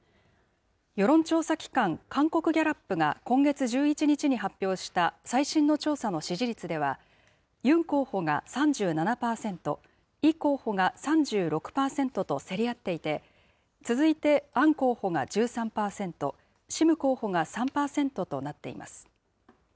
世論調査機関、韓国ギャラップが今月１１日に発表した最新の調査の支持率では、ユン候補が３７％、イ候補が３６％と競り合っていて、続いてアン候補が１３％、シム候補が３％となっています。